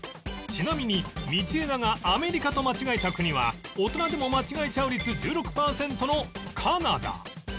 ちなみに道枝がアメリカと間違えた国は大人でも間違えちゃう率１６パーセントのカナダ